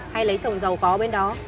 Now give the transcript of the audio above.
hay lấy chồng giàu có bên đó